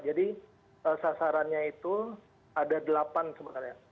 jadi sasarannya itu ada delapan sebenarnya